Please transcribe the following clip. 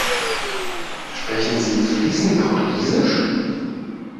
Sprechen Sie fließend Portugiesisch?